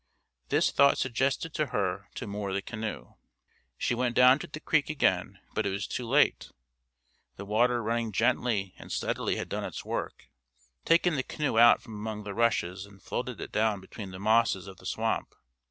This thought suggested to her to moor the canoe. She went down to the creek again, but it was too late. The water running gently and steadily had done its work, taken the canoe out from among the rushes, and floated it down between the mosses of the swamp.